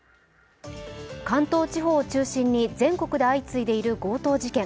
関東地方を中心に全国で相次いでいる強盗事件。